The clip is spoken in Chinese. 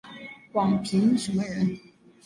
广平酂人。